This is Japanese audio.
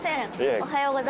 おはようございます。